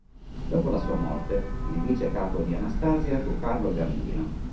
Dopo la sua morte il vicecapo di Anastasia fu Carlo Gambino.